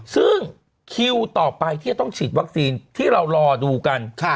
ซึ่งคิวต่อไปที่จะต้องฉีดวัคซีนที่เรารอดูกัน